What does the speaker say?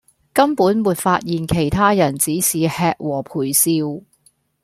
根本沒發現其他人只是吃和陪笑